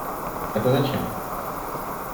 Это зачем?